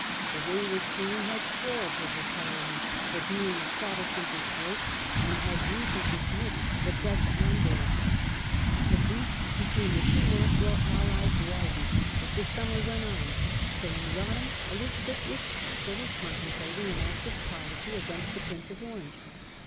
The wayward Queen had quarrelled with her Parliament for being as Protestant as Drake^ and had rudely dismissed the Dutch envoys. The breach between the two natural allies widened as the summer went on, till in the autumn Elizabeth was actually con templating an active policy against the Prince of Orange.